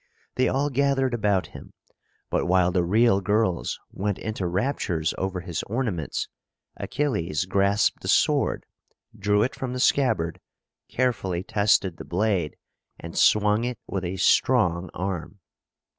They all gathered about him; but, while the real girls went into raptures over his ornaments, Achilles grasped the sword, drew it from the scabbard, carefully tested the blade, and swung it with a strong arm.